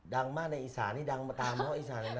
ดังมากในอิสานเนี่ยดังมาตาหมอลำทั้งอิสานเนี่ยนะ